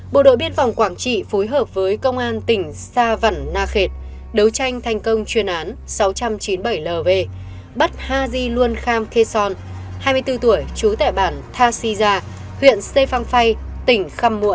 bộ đội biên phòng quảng trị phối hợp với công an tỉnh sa văn na khệt đấu tranh thành công chuyên án sáu trăm chín mươi bảy lv bắt ha di luân kham khe son hai mươi bốn tuổi trú tại bản tha si gia huyện xê phang phay tỉnh kham muộn lào